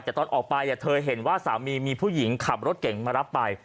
แต่ตอนออกไปเธอเห็นว่าสามีมีผู้หญิงขับรถเก่งมารับไป